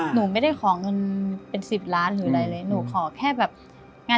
หนูไม่ได้เลยอะ